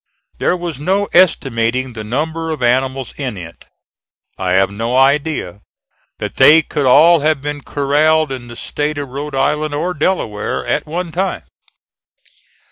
There was no estimating the number of animals in it; I have no idea that they could all have been corralled in the State of Rhode Island, or Delaware, at one time.